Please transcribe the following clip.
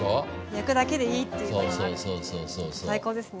焼くだけでいいっていうのがあるって最高ですね。